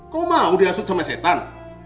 kau mau dihasut sama setan